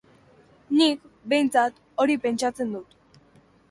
Nik, behintzat, hori pentsatzen dut.